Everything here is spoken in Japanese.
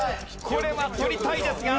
これは取りたいですが。